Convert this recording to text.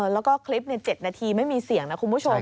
แล้วก็คลิป๗นาทีไม่มีเสียงนะคุณผู้ชม